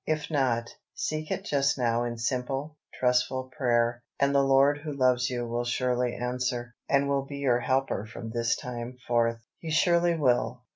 If not, seek it just now in simple, trustful prayer, and the Lord who loves you will surely answer, and will be your helper from this time forth. He surely will.